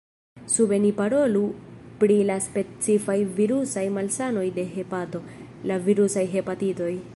Sube ni parolu pri la specifaj virusaj malsanoj de hepato: la virusaj hepatitoj.